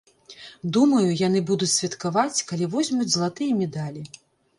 Думаю, яны будуць святкаваць, калі возьмуць залатыя медалі.